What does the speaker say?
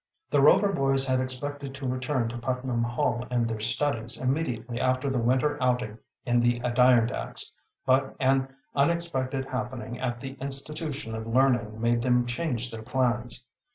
The Rover boys had expected to return to Putnam Hall and their studies immediately after the winter outing in the Adirondacks, but an unexpected happening at the institution of learning made them change their plans.